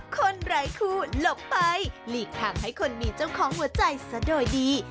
ไร้คู่หลบไปหลีกทางให้คนมีเจ้าของหัวใจซะโดยดี